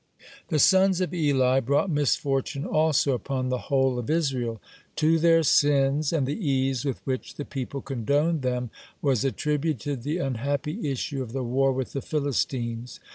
The sons of Eli brought misfortune also upon the whole of Israel. To their sins and the ease with which the people condoned them was attributed the unhappy issue of the war with the Philistines.